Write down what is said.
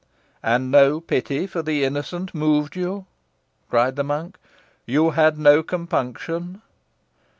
"And no pity for the innocent moved you?" cried the monk. "You had no compunction?"